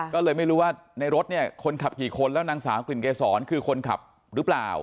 ก็เลยไม่รู้ว่าในรถเนี่ยคนขับกี่คนแล้วนางสาวกลิ่นเกษรคือคนขับหรือเปล่า